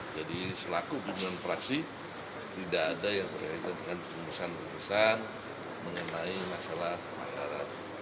jadi selaku dengan fraksi tidak ada yang berkaitan dengan keputusan keputusan mengenai masalah anggaran